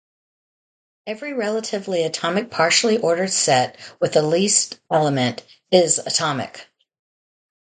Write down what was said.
Every relatively atomic partially ordered set with a least element is atomic.